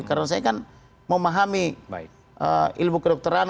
karena saya kan memahami ilmu kedokteran